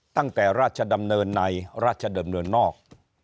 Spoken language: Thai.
ตั้งแต่ราชดำเนินในราชดำเนินนอก